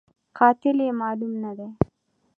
قاتل یې معلوم نه دی